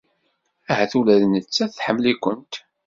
Ahat ula d nettat tḥemmel-ikent.